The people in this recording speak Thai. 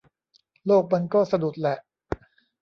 โลกมันก็สะดุดแหละ